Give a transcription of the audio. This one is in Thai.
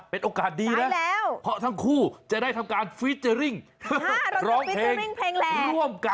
เป็นโอกาสดีนะเพราะทั้งคู่จะได้ทำการฟีเจอร์ริ่งร้องเพลงร่วมกันร้องเพลงเพลงแหละ